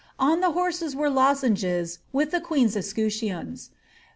On the horses were lozenges with the queen's escutcheons.